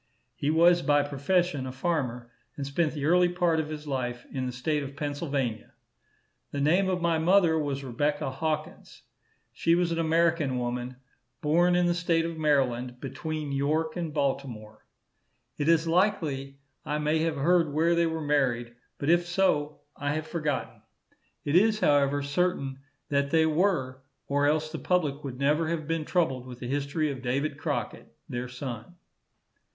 He was by profession a farmer, and spent the early part of his life in the state of Pennsylvania. The name of my mother was Rebecca Hawkins. She was an American woman, born in the state of Maryland, between York and Baltimore. It is likely I may have heard where they were married, but if so, I have forgotten. It is, however, certain that they were, or else the public would never have been troubled with the history of David Crockett, their son.